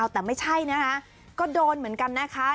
แต่ไม่ใช่นะคะก็โดนเหมือนกันนะคะ